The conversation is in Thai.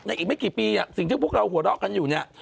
อีกไม่กี่ปีสิ่งที่พวกเราหัวเราะกันอยู่เนี่ย